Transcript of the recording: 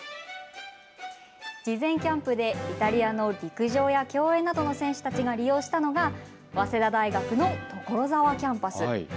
事前キャンプでイタリアの陸上や競泳などの選手たちが利用したのが早稲田大学の所沢キャンパス。